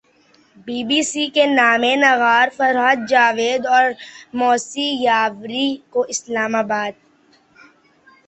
be B C کی نامہ نگار فرحت جاوید اور موسی یاوری کو اسلام آباد